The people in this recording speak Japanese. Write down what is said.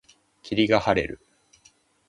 霧が晴れる。